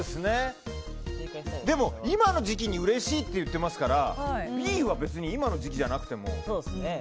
でも、今の時期にうれしいっていってますからＢは別に今の時期じゃなくても。